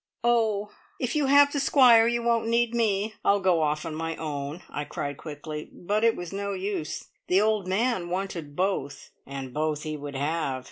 "Oh, if you have the Squire, you won't need me. I'll go off on my own," I cried quickly; but it was no use, the old man wanted both, and both he would have.